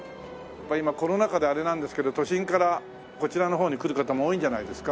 今コロナ禍であれなんですけど都心からこちらの方に来る方も多いんじゃないですか？